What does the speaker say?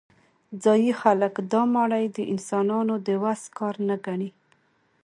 ځايي خلک دا ماڼۍ د انسانانو د وس کار نه ګڼي.